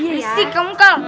risik kamu kal